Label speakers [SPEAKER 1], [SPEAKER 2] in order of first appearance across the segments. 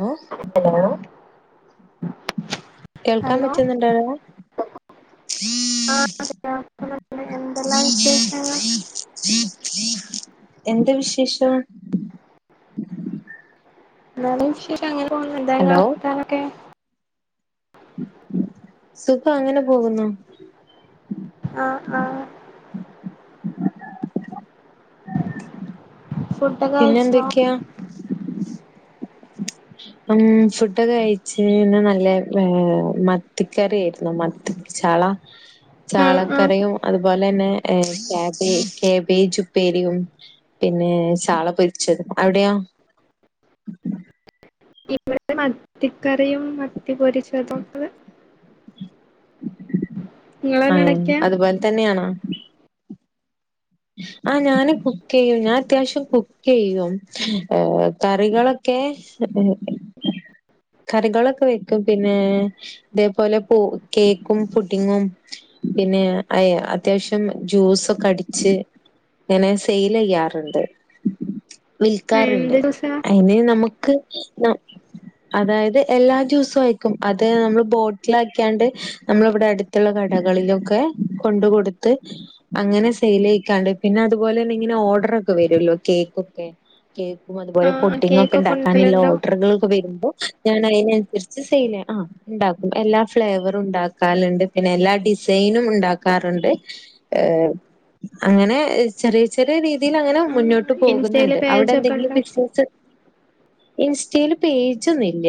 [SPEAKER 1] Hello
[SPEAKER 2] hello
[SPEAKER 1] കേൾക്കാം പറ്റുന്നുണ്ടോടാ
[SPEAKER 2] ആഹ് [inaudible] എന്തെല്ലാം വിശേഷങ്ങള്
[SPEAKER 1] എന്ത വിശേഷം
[SPEAKER 2] നല്ല വിശേഷം, അങ്ങനെ പോണ്. എന്താ ഇങ്ങള
[SPEAKER 1] ഹലോ
[SPEAKER 2] വർത്താനൊക്കെ
[SPEAKER 1] സുഖം, അങ്ങനെ പോകുന്നു.
[SPEAKER 2] ആഹ് ആഹ് ഫുഡൊക്ക
[SPEAKER 1] പിന്നെ
[SPEAKER 2] കഴിച്ചോ
[SPEAKER 1] [inaudible] ഉം ഫുഡൊക്ക കയ്ച്ച്, ഇന്ന് നല്ല മത്തിക്കറിയാരുന്നു മത്ത് ത്തി ചാള
[SPEAKER 2] ഉം ഉം
[SPEAKER 1] ചാളക്കറിയും അത് പോല തന്നെ ക്യാബേജ് ക്യാബേജ് ഉപ്പേരിയും പിന്നെ ചാള പൊരിച്ചതും. അവിടെയോ?
[SPEAKER 2] ഇവിടെ മത്തിക്കറിയും മത്തി പൊരിച്ചതും [inaudible] നിങ്ങളെന്നാ
[SPEAKER 1] ആഹ്
[SPEAKER 2] ഉണ്ടാക്കിയെ
[SPEAKER 1] അതുപോല തന്നെയാണോ ആഹ് ഞാന് കുക്കെയ്യും, ഞാൻ അത്യാവശ്യം കുക്കെയ്യും, കറികളൊക്കെ [inaudible] കറികളൊക്ക വെക്കും, പിന്നെ ഇതേപോലെ പു കേക്കും പുഡിങ്ങും പിന്നെ അയ അത്യാവശ്യം ജ്യൂസൊക്ക അടിച്ച് ഞാന് സെയ്ല് ചെയ്യാറുണ്ട്,
[SPEAKER 2] എന്ത്
[SPEAKER 1] വിൽക്കാറ്ണ്ട്,
[SPEAKER 2] ജ്യൂസാ
[SPEAKER 1] അയിന് നമക് ക്ക് ന അതായത് എല്ലാ ജൂസു അയക്കും അത് നമ്മള് ബോട്ട്ലാക്കിയാണ്ട് നമ്മള് ഇവ്ടെ അട് ത്തുള്ള കടകളിലൊക്കെ കൊണ്ട് കൊടുത്ത് അങ്ങനെ സെയ്ല് ക്കാണ്ട് പിന്നെ അതുപോലെ തന്നെ ഇങ്ങനെ ഓർഡറൊക്കെ വരുവല്ലോ കേക്കൊക്കെ കേ ക്കും അതുപോലെ
[SPEAKER 2] ആ
[SPEAKER 1] പുഡിങ്ങോക്കെ
[SPEAKER 2] കേക്കൊക്കെ
[SPEAKER 1] ഉണ്ടാക്കാനുള്ള
[SPEAKER 2] ഉണ്ടാക്കലുണ്ടോ
[SPEAKER 1] ഓർഡറുകളൊക്കെ വരുമ്പോ ഞാനയ്നനുസരിച്ച് സെയ്ല് ആഹ് ഉണ്ടാക്കും എല്ലാ ഫ്ലേവറും ഉണ്ടാക്കാലുണ്ട്, പിന്നെ എല്ലാ ഡിസൈനും ഉണ്ടാക്കാറുണ്ട് ഏഹ് അങ്ങനെ ചെറിയ ചെറിയ രീതീല് അങ്ങനെ
[SPEAKER 2] ഉം
[SPEAKER 1] മുന്നോ ട്ട്
[SPEAKER 2] ഇൻസ്റ്റയില്
[SPEAKER 1] പോകുന്നുണ്ട്.
[SPEAKER 2] പേജൊക്കെ
[SPEAKER 1] അവിടെന്തെങ്കിലും
[SPEAKER 2] ഉണ്ടോ
[SPEAKER 1] ബിസിനെസ്സ് ഇൻസ്റ്റേല് പേജൊന്നില്ല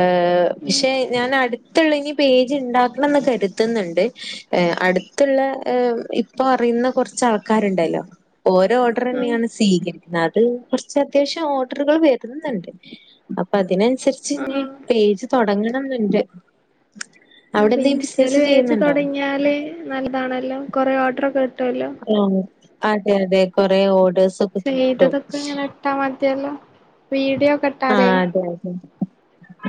[SPEAKER 1] ഏഹ്
[SPEAKER 2] ഉം
[SPEAKER 1] പക്ഷെ ഞാൻ അടുത്തുള്ള ഇനി പേജ് ഉണ്ടാക്കണന്ന് കരുതുന്നുണ്ട് ഏഹ് അടുത്തുള്ള ഏഹ് ഇപ്പൊ അറിയുന്ന കുറച്ച് ആൾക്കാരുണ്ടല്ലോ ഓര ഓർഡർ
[SPEAKER 2] ഉം
[SPEAKER 1] തന്നെയാണ് സ്വീകരിക്കുന്നത്, അത് കുറച്ച് അത്യാവശ്യം ഓർഡറുകൾ വരുന്നുണ്ട് അപ്പൊ അതിനനുസരിച്ച്
[SPEAKER 2] ആ
[SPEAKER 1] ഇനി
[SPEAKER 2] ആ
[SPEAKER 1] പേജ് തുടങ്ങണന്നുണ്ട്
[SPEAKER 2] ആഹ് അപ്പൊ ഇൻസ്റ്റേല് പേജ് തൊടങ്ങിയാല് നല്ലതാണല്ലോ, കൊറേ ഓർഡർ ഒക്കെ കിട്ടുമല്ലോ
[SPEAKER 1] ആഹ് അതെ അതെ കൊറേ ഓഡേഴ്സ്
[SPEAKER 2] ചെയ്തതൊക്കെ ഇങ്ങനെ ഇട്ടാ മതില്ലോ, വീഡിയോക്കെ
[SPEAKER 1] ആഹ് അതെ അതെ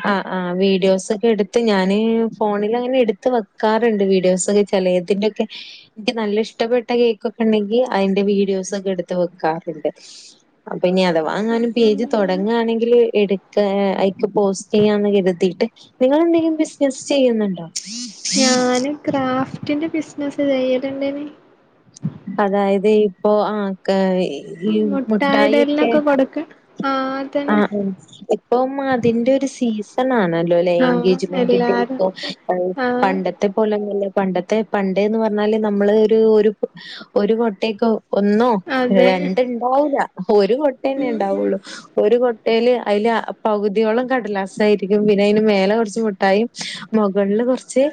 [SPEAKER 1] ആഹ് ആഹ് വീഡിയോസ് ഒക്കെ എടുത്ത് ഞാന് ഫോണിൽ അങ്ങനെ എടുത്ത് വെക്കാറുണ്ട് വീഡിയോസ് ഒക്കെ ചെലേതിൻ്റെയൊക്കെ എനിക്ക് നല്ല ഇഷ്ടപ്പെട്ട കേക്കൊക്കെ ഉണ്ടെങ്കിൽ അതിന്റെ വീഡിയോസൊക്കെ എടുത്ത് വെക്കാറുണ്ട് അപ്പൊ ഇനി അഥവാ
[SPEAKER 2] ഉം
[SPEAKER 1] എങ്ങാനും
[SPEAKER 2] ഉം
[SPEAKER 1] പേജ്
[SPEAKER 2] അങ്ങനെ
[SPEAKER 1] തുടങ്ങുകയാണെങ്കിൽ ങ്കില് എടുക്ക അതിക്ക് പോസ്റ്റ് ചെയ്യാന്ന് കരുതിട്ട് നിങ്ങള് എന്തെങ്കിലും ബിസിനസ് ചെയ്യുന്നുണ്ടോ
[SPEAKER 2] ഞാന് ക്രാഫ്റ്റിന്റെ ബിസിനസ്സ് ചെയ്യലുണ്ടേന്
[SPEAKER 1] അതായത് ഇപ്പോ ആഹ് ഈ മുഠായി ഒക്കെ
[SPEAKER 2] ആര്
[SPEAKER 1] ആഹ് ഉം ഇപ്പം അതിന്റെ ഒരു സീസണാണ് ല്ലോ ലേ
[SPEAKER 2] ആഹ്
[SPEAKER 1] എൻഗേജ്മെന്റ്
[SPEAKER 2] എല്ലാരും
[SPEAKER 1] ഒക്കെ
[SPEAKER 2] ആഹ്
[SPEAKER 1] പണ്ട ത്തെ പോലെല്ല ല്ലോ പണ്ടത്തെ പണ്ട്ന്ന് പറഞ്ഞാല് നമ്മള് ഒരു ഒരു ഒരു കൊട്ടക്ക് ഒന്നോ
[SPEAKER 2] അതെ
[SPEAKER 1] രണ്ട് ണ്ടാവൂല്ല ഒരു കൊട്ട ന്നെ
[SPEAKER 2] ഉം ഉം
[SPEAKER 1] ണ്ടാവുള്ളു ഒരു കൊട്ടയില് അയില് പകുതിയോളം കടലാസായിരിക്കും പിന്നെ അയിന് മേലെ കുറച്ച് മുട്ടായി മുകളില് കുറച്ച്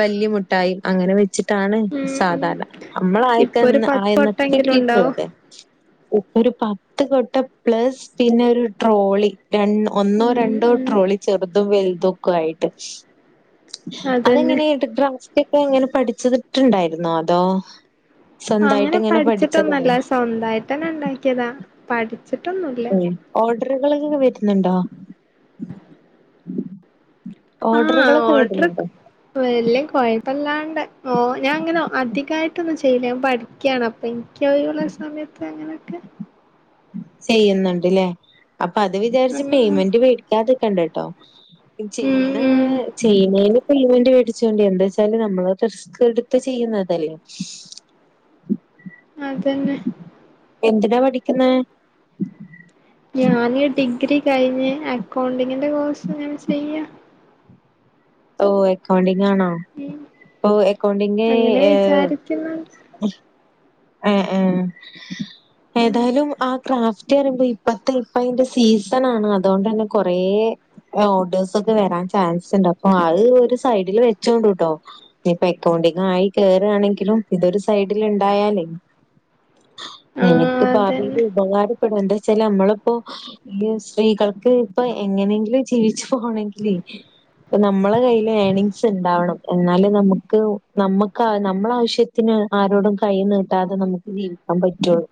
[SPEAKER 1] വല്യയ മുട്ടായി അങ്ങനെ വെച്ചി ട്ടാണ്
[SPEAKER 2] ഉം ഉം
[SPEAKER 1] സാധാരണ നമ്മള ആയിക്ക
[SPEAKER 2] ഇപ്പൊ ഒരു പത്ത്
[SPEAKER 1] ആയന്ന
[SPEAKER 2] വട്ടെങ്കിലും ഉണ്ടാവും
[SPEAKER 1] [unintelligible] ഇപ്പെരു പത്ത് കൊട്ട പ്ലസ് പിന്നെ ഒരു ട്രോളി ര ഒന്നോ
[SPEAKER 2] ഉം
[SPEAKER 1] രണ്ടോ
[SPEAKER 2] ഉം
[SPEAKER 1] ട്രോളി ചെറുതും വലുതും ഒക്കെ ആയിട്ട്
[SPEAKER 2] അതന്നെ
[SPEAKER 1] അതെങ്ങനെ ക്രാഫ്റ്റ് ഒക്കെ എങ്ങനെ പഠിച്ചതിട്ടുണ്ടായിരുന്നോ അതോ സ്വന്തമായിട്ട്
[SPEAKER 2] അങ്ങനെ
[SPEAKER 1] ഇങ്ങനെ പഠിച്ചതാണ്
[SPEAKER 2] പഠിച്ചിട്ടൊന്നല്ല സ്വന്തമായിട്ടന്നെ ഉണ്ടാക്കിയതാ പഠിച്ചിട്ടൊന്നുല്ല
[SPEAKER 1] ഓർഡറുകൾ ഇങ്ങനെ വരുന്നുണ്ടോ ഓഡറുകളൊക്കെ വരുന്നുണ്ടോ
[SPEAKER 2] വല്ല കുഴപ്പ ല്ലാണ്ട് ഓ ഞാൻ അങ്ങനെ അധികായിട്ടൊന്നും ചെയ്ല്ല ഞാൻ പഠിക്ക്യായാണ് അപ്പ ഇ ൻക്ക് ഒഴിവുള്ള സമയത്ത് അങ്ങനെയൊക്കെ
[SPEAKER 1] ചെയ്യുന്നുണ്ട്ലേ അപ്പൊ അത് വിചാരിച്ച്
[SPEAKER 2] ഉം
[SPEAKER 1] പേയ്മെന്റ് വേടിക്കാതെക്കണ്ട ട്ടോ
[SPEAKER 2] ഉം ഉം
[SPEAKER 1] ചെയ്യ്ണേ
[SPEAKER 2] ഉം
[SPEAKER 1] ചെയ്യ്ണേന് പേയ്മെൻ്റ് വേടി ച്ചോണ്ടി എന്താ ച്ചാല് നമ്മള് റിസ്ക് എടുത്ത് ചെയ്യുന്നതല്ലേ
[SPEAKER 2] അതന്നെ
[SPEAKER 1] എന്തിനാ പഠിക്കുന്നേ
[SPEAKER 2] ഞാന് ഡിഗ്രി കഴിഞ്ഞ് അക്കൗണ്ടിങ്ങിന്റെ കോഴ്സ് ഇങ്ങനെ ചെയ്യ
[SPEAKER 1] ഓ അക്കൗണ്ടിങ് ആണോ
[SPEAKER 2] ഉം
[SPEAKER 1] ഇപ്പൊ അക്കൗണ്ടിങ്
[SPEAKER 2] അങ്ങനെ
[SPEAKER 1] ഏഹ്
[SPEAKER 2] വിചാരിക്കുന്നു
[SPEAKER 1] ഉം ഉം
[SPEAKER 2] ഉം
[SPEAKER 1] ഏതായാലും ആഹ് ക്രാഫ് റ്റ് പറയുമ്പോ ഇപ്പത്തെ ഇപ്പ അയിന്റെ സീസണാണ് അതോണ്ടന്നെ കൊറേ ഓർഡേഴ്സ് ഒക്കെ വരാൻ ചാൻസ് ഉണ്ട് അപ്പൊ അഹ് ഒരു സൈഡില് വെച്ചോണ്ട് ട്ടോ ഞ്ഞ് ഇപ്പം എക്കൗണ്ടിങ്ങ് ആയി കേറാണെങ്കിലും ഇതൊരു സൈഡില് ണ്ടായാലേ
[SPEAKER 2] ആഹ്
[SPEAKER 1] നിനക്ക് ഭാവിയില്
[SPEAKER 2] അതന്നെ
[SPEAKER 1] ഉപകാരപ്പെടും എന്താ വെച്ചാല് നമ്മള് പ്പം സ്ത്രീകൾക്ക് ഇപ്പൊ എങ്ങനെങ്കിലും ജീവിച്ചു പോണെങ്കില് നമ്മള കയ്യില് ഏണിംസ് ഉണ്ടാവണം എന്നാലേ നമുക്ക് നമ്മുക്ക് നമ്മള ആവശ്യ ത്തിന് ആരോടും കൈ നീട്ടാതെ നമുക്ക് ജീവിക്കാൻ പറ്റുള്ളൂ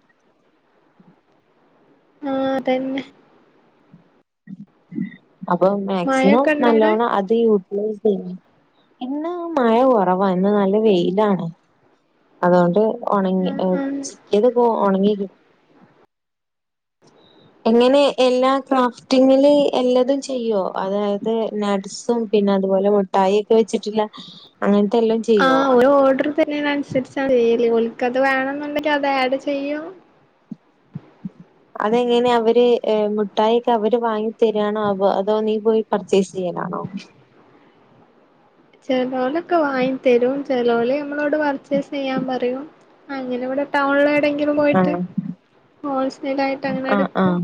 [SPEAKER 2] ആഹ് അതന്നെ
[SPEAKER 1] അപ്പം മാക്സിമം
[SPEAKER 2] മഴൊക്കെ ഇണ്ടോ അവിടെ
[SPEAKER 1] നല്ലോണം അ ത് യൂ ട്ട് [unintelligible] ഇന്ന് മഴ കുറവാ ഇന്ന് നല്ല വെയിലാണ് അതുകൊണ്ട് ഉണങ്ങി
[SPEAKER 2] ആഹ് ആഹ്
[SPEAKER 1] ചിക്കിയത് പോ ഒണങ്ങി കി എങ്ങനെ എല്ലാ ക്രാഫ്റ്റിങ്ങില് എല്ലതും ചെയ്യോ അതായത് ന സും പിന്നെ അതുപോലെ മുട്ടായി ഒക്കെ വെച്ചിട്ട്‌ ള്ളെ അങ്ങന് ത്തെ എല്ലോം ചെ
[SPEAKER 2] ആഹ് ഒര് ഓർഡർ തര്ണേന് നുസരിച്ചാണ് ചെയ്യല് ഓൽ കൽക്കത് വേണെന്നുണ്ടെങ്കിൽ അത് ആഡ് ചെയും ബിന്ന
[SPEAKER 1] അതെങ്ങനെ അവര് മുഠായിക്കെ അവര് വാങ്ങി തരാണോ അ അതോ നീ പോയി പർച്ചേസ് ചെയ്യാ ലാണോ
[SPEAKER 2] ചെലോലൊക്കെ വാങ്ങി തരും ചെലോല് നമ്മളോട് പർച്ചേസ് ചെയ്യാൻ പറയും അങ്ങനെ ഇവിടെ ടൗണിലെ എടെങ്കിലും പോയിട്ട്
[SPEAKER 1] ആഹ്
[SPEAKER 2] ഹോൾസെൽ ആയിട്ട് അങ്ങനെ എടുക്കും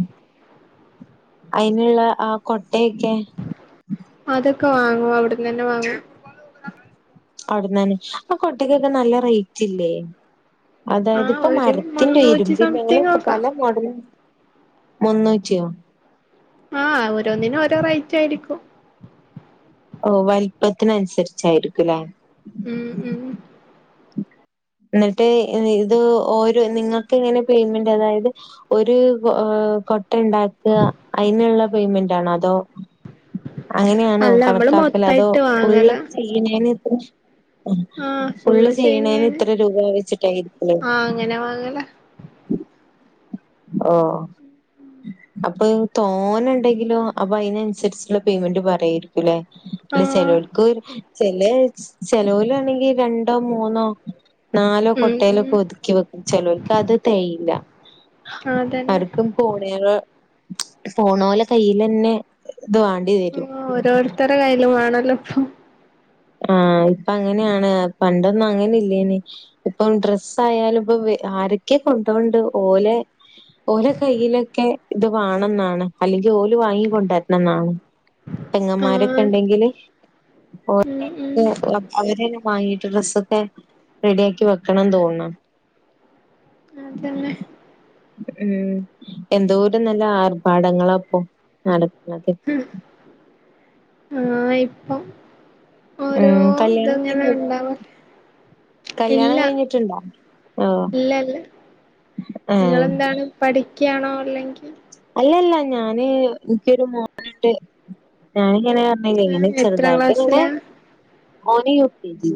[SPEAKER 1] അയിന്ള്ള ആ കൊട്ടയൊക്കെ
[SPEAKER 2] അതൊക്കെ വാങ്ങും അവിടന്ന് തന്നെ വാങ്ങും
[SPEAKER 1] അവിടന്നന്നെ ആ കൊട്ടക്കൊക്കെ നല്ല റേറ്റ് ഇല്ലേ
[SPEAKER 2] ആ
[SPEAKER 1] അതായത് ഇപ്പോ
[SPEAKER 2] ഒരു
[SPEAKER 1] മരത്തിന്റെ
[SPEAKER 2] മുന്നൂറ്റി
[SPEAKER 1] ഇരുമ്പിനക്കെ ഞങ്ങള്
[SPEAKER 2] സംതിങ് ഒക്കെ
[SPEAKER 1] പല മോഡലും മുന്നൂറ്റിയോ
[SPEAKER 2] ആഹ് ഓരോന്നിനും ഓരോ റേറ്റാരിക്കും
[SPEAKER 1] ഓഹ് വലിപ്പത്തിനനുസരിച്ചായിരിക്കൂ ലേ
[SPEAKER 2] ഉം ഉം ഉം
[SPEAKER 1] എന്നിട്ട് ഇത് ഓരോ നിങ്ങൾക്ക് എങ്ങനെ പേയ്മെൻ്റ് അതായത് ഒരു കൊ ഓഹ് കൊട്ട ഉണ്ടാക്കുക അയിനുള്ള പേയ്മെന്റ് ആണോ അതോ അങ്ങനെയാണോ
[SPEAKER 2] അല്ല നമ്മള്
[SPEAKER 1] കണക്കാക്കല് അതോ
[SPEAKER 2] മൊത്തായിട്ട്
[SPEAKER 1] ഫുള്ള്
[SPEAKER 2] വാങ്ങല
[SPEAKER 1] ചെയ്യുന്നേന് ഇത്ര
[SPEAKER 2] ആഹ്
[SPEAKER 1] ഫുള്ള് ചെയ്യണേന്
[SPEAKER 2] ചെയ്യുന്നേന്
[SPEAKER 1] ഇത്ര രൂപ വെച്ചിട്ടായിരിക്കോ
[SPEAKER 2] ആഹ് അങ്ങനെ വാങ്ങല
[SPEAKER 1] ഓഹ് അപ്പോ പ്പൊ തോന ഉണ്ടെങ്കിലും അപ്പൊ അതിനനുസരിച്ചുള്ള പേയ്മെന്റ് പറയായിരിക്കൂല്ലേ അല്ല
[SPEAKER 2] ആഹ്
[SPEAKER 1] ചെലോല്ക്ക് ചെല ചെലോലാണെങ്കി രണ്ടോ മൂന്നോ നാലോ
[SPEAKER 2] ഉം ഉം
[SPEAKER 1] കൊട്ടയിലൊക്കെ ഒതുക്കി വെക്കും ചലോല്ക്ക് അത് തേയ്യില്ല
[SPEAKER 2] അതന്നെ
[SPEAKER 1] ആർക്കും [unintelligible] ഫോണ് പോലെ കയ്യിലന്നെ ഇതുവാണ്
[SPEAKER 2] ഉം ഓരോരുത്തരുടെ കയ്യിലും വേണല്ലോ ഇപ്പൊ
[SPEAKER 1] ആഹ് ഇപ്പ അങ്ങനെയാണ് പണ്ടൊന്നും അങ്ങനെ ഇല്ലേന് ഇപ്പം ഡ്രസ്സ് ആയാലും ഇപ്പൊ ആരൊക്കെ കൊണ്ടോണ്ട് ഓലെ ഓല കൈയിലൊക്കെ ഇത് വേണെന്നാണ് അല്ലെങ്കിൽ ഓല് വാങ്ങിക്കൊണ്ടരണം ന്നാണ് പെങ്ങമ്മാരൊക്കെ
[SPEAKER 2] ആഹ്
[SPEAKER 1] ഉണ്ടെങ്കില് ഓല്
[SPEAKER 2] ഉം ഉം
[SPEAKER 1] അവരെന്നെ വാങ്ങിട്ട് ഡ്രസ്സൊക്കെ റെഡിയാക്കി വെക്കണംന്ന് തോന്നാ
[SPEAKER 2] അതന്നെ
[SPEAKER 1] ഉം എന്തോരം നല്ല ആർഭാടങ്ങളാപ്പൊ നടക്കണത്
[SPEAKER 2] ഉം ആഹ് ഇപ്പൊ ഓരോ
[SPEAKER 1] ഉം കല്യാണം
[SPEAKER 2] ഇതങ്ങനെ
[SPEAKER 1] കഴിഞ്ഞ്
[SPEAKER 2] ഉണ്ടാവ ഇല്ല
[SPEAKER 1] കല്യാണം കഴിഞ്ഞിട്ടുണ്ടോ ഓഹ്
[SPEAKER 2] ഇല്ല ല്ല
[SPEAKER 1] ഏഹ്
[SPEAKER 2] നിങ്ങളെന്താണ് പഠിക്യാണോ അല്ലെങ്കി
[SPEAKER 1] അല്ലല്ല ഞാന് എനിക്കൊരു മോനുണ്ട് ഞാനിങ്ങനെ ഇല്ല ഇല്ല ഇങ്ങനെ
[SPEAKER 2] എത്രാം
[SPEAKER 1] ചെറുതായിട്ട് ഇങ്ങനെ
[SPEAKER 2] ക്ലാസ്സിലാ
[SPEAKER 1] ഓന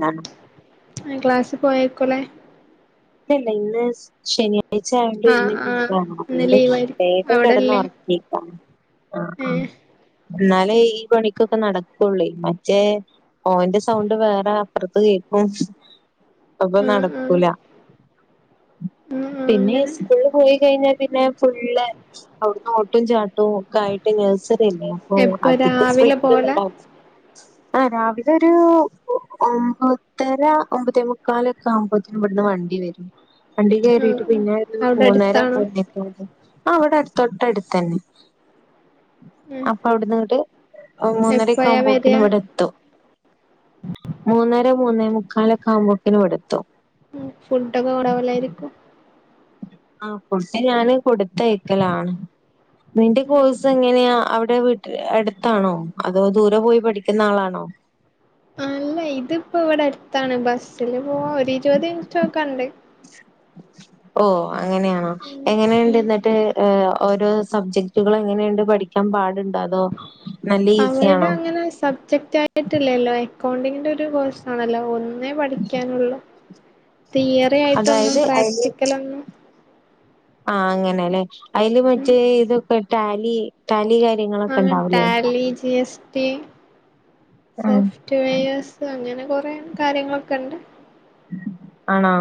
[SPEAKER 1] [unintelligible]
[SPEAKER 2] ആഹ് ക്ലാസ്സി പോയേക്കുളെ
[SPEAKER 1] ഇല്ല ല്ല ഇന്ന് ശനിയാ ഴ്ച്ചായണ്ട്
[SPEAKER 2] ആഹ്
[SPEAKER 1] ഇന്ന്
[SPEAKER 2] ആഹ്
[SPEAKER 1] ലീവാണ് അപ്പോ
[SPEAKER 2] ഇന്ന്
[SPEAKER 1] ഇവടെ
[SPEAKER 2] ലീവായിരിക്കും
[SPEAKER 1] വേഗം കിടന്ന്
[SPEAKER 2] അവിടെല്ലേ
[SPEAKER 1] [unintelligible] ആഹ് ആഹ്
[SPEAKER 2] ഏഹ്
[SPEAKER 1] എന്നാലേ ഈ പണിക്കൊക്കെ നടക്കുള്ളേ മറ്റേ ഓന്റെ സൗണ്ട് വേറെ അപ്പുറത്ത് കേക്കും അപ്പൊ
[SPEAKER 2] ആഹ് ആഹ്
[SPEAKER 1] നടക്കൂല
[SPEAKER 2] [inaudible]
[SPEAKER 1] പിന്നെ
[SPEAKER 2] അങ്ങനെ
[SPEAKER 1] ഇസ്കൂളില് പോയി കഴിഞ്ഞാ പിന്നെ ഫുള്ള് അവിടുന്ന് ഓട്ടും ചാട്ടവും ക്കായിട്ട് നഴ്സറിയല്ലേ അപ്പൊ
[SPEAKER 2] എപ്പ
[SPEAKER 1] അധികം
[SPEAKER 2] രാവിലെ പോവലാ
[SPEAKER 1] സ്ട്രിക്റ്റൊന്നുംണ്ടാവില്ല
[SPEAKER 2] [inaudible]
[SPEAKER 1] ആഹ് രാവിലെ ഒരു ഒമ്പതര ഒമ്പതേ മുക്കാലൊക്കെ ആവുമ്പോത്തേന് ഇവിടുന്ന് വണ്ടി വരും വണ്ടീ
[SPEAKER 2] ആഹ്
[SPEAKER 1] കേറിട്ട്
[SPEAKER 2] ആഹ്
[SPEAKER 1] പിന്നെ ഒരു
[SPEAKER 2] അവിടെ
[SPEAKER 1] മൂന്നര
[SPEAKER 2] അടുത്താണോ
[SPEAKER 1] മൂന്നേ ആഹ് ഇവടെ അടു തൊട്ട അടുത്തന്നെ
[SPEAKER 2] ഉം
[SPEAKER 1] അപ്പൊ അവിടെന്ന്ങ്ങട്ട് മൂന്നരൊക്കെ
[SPEAKER 2] എപ്പഴാ വരിക
[SPEAKER 1] ആവുമ്പോക്കിനും ഇവിടെ എ ത്തും മൂന്നര മൂന്നേ മുക്കാലൊക്കെ ആവുമ്പോക്കിനും ഇവിടെത്തും
[SPEAKER 2] ഫുഡൊക്കെ കൊറവല്ലയിരിക്കും
[SPEAKER 1] ആ ഫുഡ് ഞാന് കൊടുത്തയക്കലാണ് നിന്റെ
[SPEAKER 2] ഉം
[SPEAKER 1] കോഴ്സ്
[SPEAKER 2] ഉം
[SPEAKER 1] എങ്ങനെയാ അവിടെ അവടെ വീട്ടിൽ അടുത്താണോ അതോ ദൂരെ പോയി പഠിക്കുന്ന ആളാണോ
[SPEAKER 2] അല്ല ഇതിപ്പോ ഇവിടെ അടുത്താണ് ബസ്സില് പോ വാഒരു ഇരുപത് മിനിറ്റൊക്കെ ഉണ്ട്
[SPEAKER 1] ഓ അങ്ങനെയാണോ എങ്ങനെയുണ്ട്
[SPEAKER 2] ഉം
[SPEAKER 1] എന്നിട്ട് ഓരോ സബ്ജക്ടുകൾ എങ്ങനെയണ്ട് പഠിക്കാൻ പാടുണ്ടോ അതോ നല്ല
[SPEAKER 2] അവളുടെ
[SPEAKER 1] ഈസിയാണോ?
[SPEAKER 2] അങ്ങനെ സബ്ജക്റ്റ് ആയി ട്ടില്ലല്ലോ അക്കൗണ്ടിങ്ങിന്റെ ഒരു കോഴ്സ ആണല്ലോ ഒന്നേ പഠിക്കാനുള്ളു തിയറി ആയിട്ടൊന്നും
[SPEAKER 1] അതായത്
[SPEAKER 2] പ്രാക്ടിക്കലൊന്നും
[SPEAKER 1] ആ അങ്ങനെല്ലെ അതിൽ
[SPEAKER 2] ഉം
[SPEAKER 1] മറ്റേ ഇതൊക്കെ ടാലി ടാലി കാര്യങ്ങളൊക്കെ ഉണ്ടാവല്ലേ
[SPEAKER 2] റലീജിയസ്
[SPEAKER 1] ഉം
[SPEAKER 2] സോഫ്റ്റ്വെയർസ് അങ്ങനെ കുറെ കാര്യങ്ങളൊക്കെ ഉണ്ട്
[SPEAKER 1] ആണോ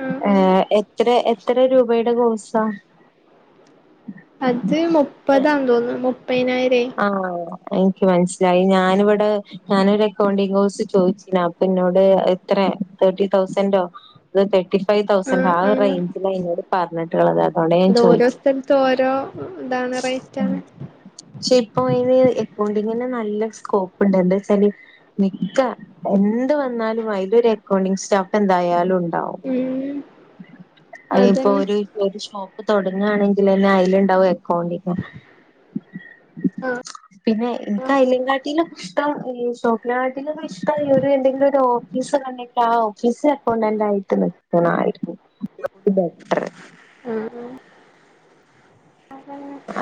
[SPEAKER 2] ആ
[SPEAKER 1] ഏ
[SPEAKER 2] ആ
[SPEAKER 1] എത്ര എത്ര രൂപയുടെ കോഴ്സ
[SPEAKER 2] അത് മുപ്പതാ തോന്നുന്നു മുപ്പതിനായിര
[SPEAKER 1] ആ എനിക്ക് മനസ്സിലായി ഞാനിവിടെ ഞാനൊരു അക്കൗണ്ടിങ് കോഴ്സ് ചോദിച്ചന അപ്പന്നോട് എത്രയ തേർട്ടി തൗസന്റോ ഇത് തേർട്ടി ഫൈവ് തൗസന്റ് ആ റേഞ്ചലാ ഇന്നോട് പറഞ്ഞിട്ടുള്ളത് അതോണ്ട് ഞാൻ
[SPEAKER 2] അത് ഓരോ
[SPEAKER 1] ചോദിച്ചത്
[SPEAKER 2] സ്ഥലത്തും ഓരോ ഇതാണ് റേറ്റാണ്
[SPEAKER 1] പക്ഷെ ഇപ്പ അതിന് എക്കൗണ്ടിങ്ങിന് നല്ല സ്കോപ്പ് ഉണ്ട് എന്താ വെച്ചാല് മിക്ക എന്ത് വന്നാലും അതിലൊരു അക്കൗണ്ടിങ് സ്റ്റാഫ് എന്തായാലും ഉണ്ട്
[SPEAKER 2] ഉം
[SPEAKER 1] അയിപ്പോ
[SPEAKER 2] അതന്നെ
[SPEAKER 1] ഒരു ഒരു ഷോപ്പ് തുടങ്ങുകയാണെങ്കിലെന്നെ അതിലുണ്ടാവും അക്കൗണ്ടിങ് പിന്നെ ഇൻക് അയിലങ്ങാട്ടിലും ഇഷ്ടം ഈ ഷോപനാട്ടിലൊക്കെ ഇഷ്ടം എന്തെങ്കിലും ഒരു ഓഫീസ് ഇണ്ടെങ്കിൽ ആ ഓഫീസ് അക്കൗണ്ടന്റായിട്ട് നിക്കണായിരുന്നു ബെറ്റർ
[SPEAKER 2] ആഹ്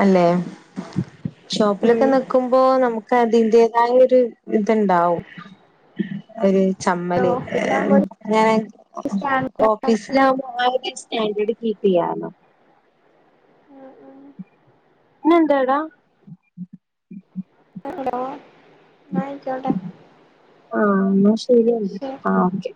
[SPEAKER 1] അല്ലെ ഷോപ്പിലൊക്കെ നിക്കുമ്പോ നമുക്ക് അതിന്റേതായ ഒരു ഇതുണ്ടാവും ഒരു ചമ്മല്
[SPEAKER 2] ഓഫീസിലാകുമ്പോ ഒരു
[SPEAKER 1] ങ്ങനെ ഓ
[SPEAKER 2] സ്റ്റാൻഡേർഡ് ആണല്ലോ
[SPEAKER 1] ഓഫീസിലാകുമ്പോ ആ ഒരു സ്റ്റാൻഡേർഡ് കീപ്പ് ചെയ്യാലോ
[SPEAKER 2] ഉം
[SPEAKER 1] ന്ന്എന്തടാ
[SPEAKER 2] ഹലോ ആയിക്കോട്ടെ
[SPEAKER 1] ആഹ എന്നാ ശരിയന്ന
[SPEAKER 2] ശരി
[SPEAKER 1] ആ ഓക്കേ